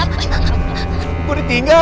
hai berhenti enggak